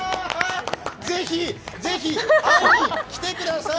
ぜひ、ぜひ、会いに来てください